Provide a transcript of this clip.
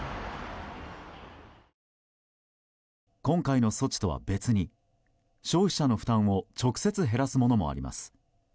今回の措置とは別に消費者の負担を直接減らすものもあります。